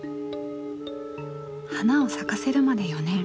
花を咲かせるまで４年。